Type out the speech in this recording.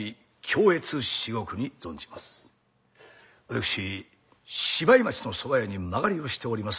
私芝居町のそば屋に間借りをしております